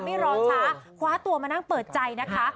ไม่รอช้าคว้าตัวมานั่งเปิดใจนะคะ